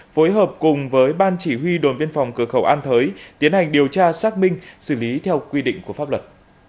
phối hợp cùng với ban chỉ huy đồn biên phòng cửa khẩu an thới tiến hành điều tra xác minh xử lý theo quy định của pháp luật